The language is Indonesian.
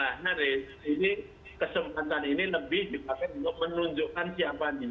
backgroundnya dia yang belum banyak dikenal oleh masyarakat amerika karena dia waktu menjadi calon kepada namanya dari partai demokrat kan gagal